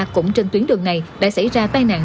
cũng trên tuyến đường này đã xảy ra tai nạn